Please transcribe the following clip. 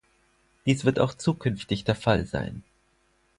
Dies wird auch zukünftig der Fall sein.